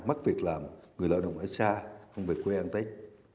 mất việc làm người lao động ở xa không phải quê an tết